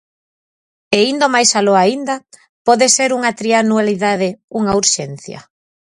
E, indo máis aló aínda, ¿pode ser unha trianualidade unha urxencia?